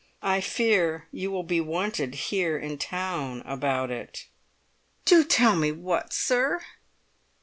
I fear you will be wanted here in town about it." "Do tell me what, sir!"